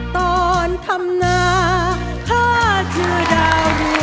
ขอบคุณครับ